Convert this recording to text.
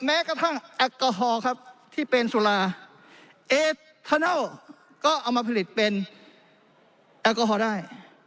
แม้กระทั่งแอลกอฮอล์ครับที่เป็นสุราเอทานัลก็เอามาผลิตเป็นแอลกอฮอลได้